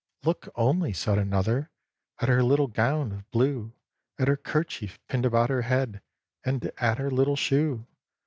"Look only," said another, "At her little gown of blue, At her kerchief pinned about her head, And at her little shoe!"